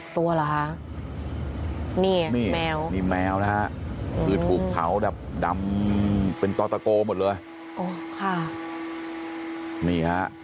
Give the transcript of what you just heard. ๑๐ตัวเหรอฮะนี่แมวซึ่งแมวนะฮะเป็นตอต้ะโก้หมดเลย